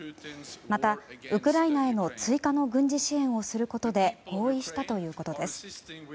また、ウクライナへの追加の軍事支援をすることで合意したということです。